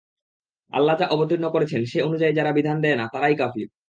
আল্লাহ্ যা অবতীর্ণ করেছেন, সে অনুযায়ী যারা বিধান দেয় না তারাই কাফির।